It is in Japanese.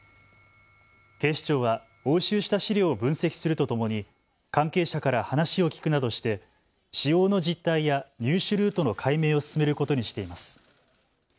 警視庁は押収した資料を分析するとともに関係者から話を聞くなどして使用の実態や入手ルートの解明を進めることにしています。